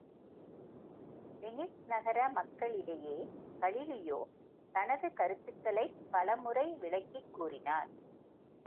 Venice நகர மக்கள் இடையே கலீலியோ தனது கருத்துக்களைப் பலமுறை விளக்கிக் கூறினார்!